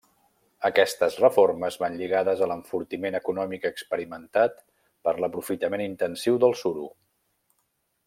Aquestes reformes van lligades a l'enfortiment econòmic experimentat per l'aprofitament intensiu del suro.